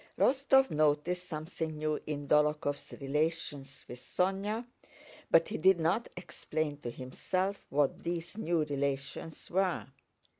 Rostóv noticed something new in Dólokhov's relations with Sónya, but he did not explain to himself what these new relations were.